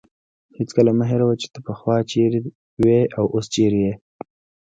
هېڅکله مه هېروه چې پخوا ته چیرته وې او اوس چیرته یې.